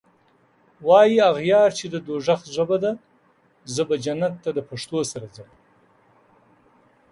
واي اغیار چی د دوږخ ژبه ده زه به جنت ته دپښتو سره ځم